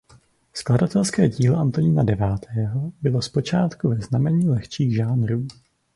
Skladatelské dílo Antonína Devátého bylo zpočátku ve znamení lehčích žánrů.